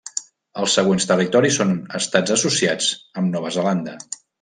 Els següents territoris són estats associats amb Nova Zelanda.